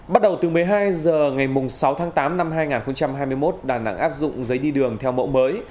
bắt đầu từ một mươi hai h ngày sáu tháng tám năm hai nghìn hai mươi một đà nẵng áp dụng giấy đi đường theo mẫu mới